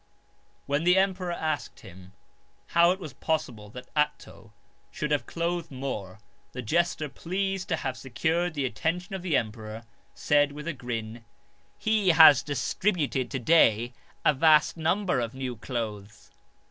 When the emperor asked him how it was possible that Atto should have clothed more, the jester, pleased to have secured the attention of the emperor, said with a grin : "He has distributed to day a vast number of new clothes."